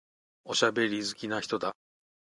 おしゃべり好きな人だ。